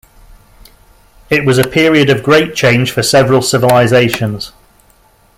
It was a period of great change for several civilizations.